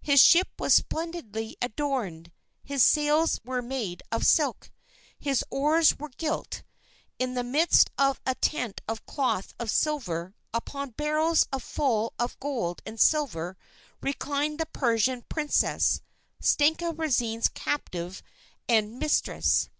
His ship was splendidly adorned, his sails were of silk, his oars were gilt; in the midst of a tent of cloth of silver, upon barrels full of gold and silver, reclined the Persian princess, Stenka Râzine's captive and mistress.